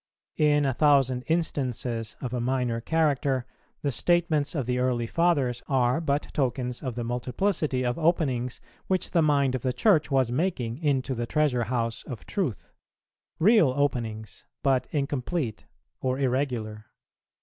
In a thousand instances of a minor character, the statements of the early Fathers are but tokens of the multiplicity of openings which the mind of the Church was making into the treasure house of Truth; real openings, but incomplete or irregular.